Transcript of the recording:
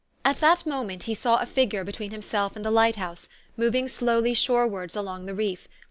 At that moment he saw a figure between himself and the light house, moving slowly shorewards along the reef.